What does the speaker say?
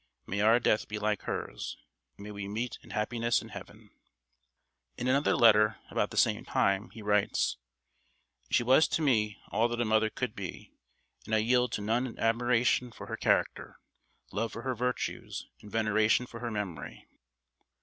May our death be like hers, and may we meet in happiness in Heaven." In another letter about the same time he writes: "She was to me all that a mother could be, and I yield to none in admiration for her character, love for her virtues, and veneration for her memory."